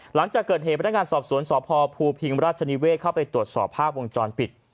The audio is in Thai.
หลังจากเกิดเหตุพนักงานสอบสวนสพภูพิงราชนิเวศเข้าไปตรวจสอบภาพวงจรปิด